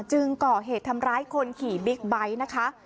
จึงก่อเหตุทำร้ายคนขี่บิ๊กไบท์